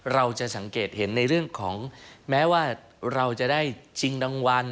เราจะสังเกตเห็นในเรื่องของแม้ว่าเราจะได้ชิงรางวัล